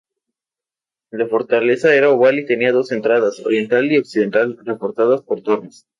La fortaleza era oval y tenía dos entradas -oriental y occidental-, reforzadas por torres.